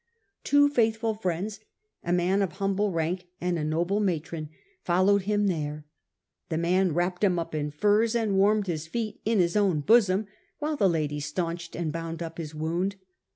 Two faithful friends, a man of humble rank and a noble matron, followed him there ; the man wrapped him in furs and warmed his feet in his own bosom, while the lady staunched and bound up his wound.